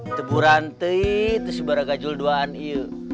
itu buranti itu si baragajul dua an iyo